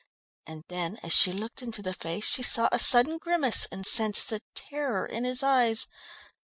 And then as she looked into the face she saw a sudden grimace, and sensed the terror in his eyes.